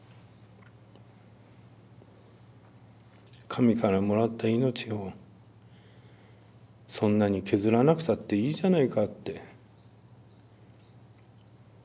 神からもらった命をそんなに削らなくたっていいじゃないかって。